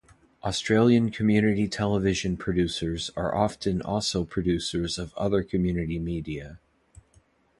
Australian Community Television producers are often also producers of other community media.